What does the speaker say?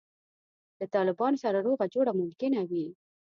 له طالبانو سره روغه جوړه ممکنه وي.